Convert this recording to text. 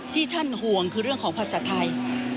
ที่ท่านห่วงคือเรื่องของภาษาไทย